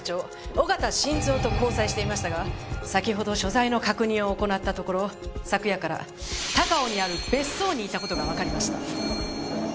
小形伸造と交際していましたが先ほど所在の確認を行ったところ昨夜から高尾にある別荘にいた事がわかりました。